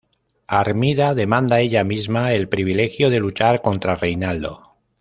Armida demanda ella misma el privilegio de luchar contra Reinaldo.